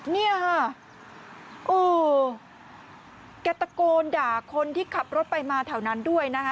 เนี่ยค่ะโอ้แกตะโกนด่าคนที่ขับรถไปมาแถวนั้นด้วยนะคะ